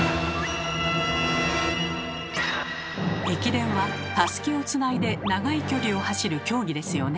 ⁉駅伝はたすきをつないで長い距離を走る競技ですよね。